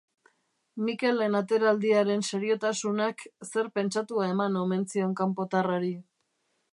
Mikelen ateraldiaren seriotasunak zer pentsatua eman omen zion kanpotarrari.